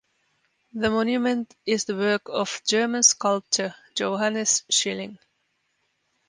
The monument is the work of German sculptor Johannes Schilling.